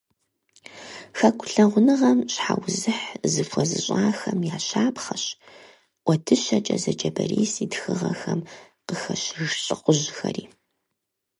Хэку лъагъуныгъэм щхьэузыхь зыхуэзыщӀахэм я щапхъэщ « ӀуэдыщэкӀэ» зэджэ Борис и тхыгъэхэм къыхэщыж лӀыхъужьхэри.